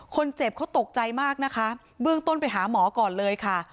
คนเจ็บเขาตกใจมากนะคะเบื้องต้นไปหาหมอก่อนเลยค่ะ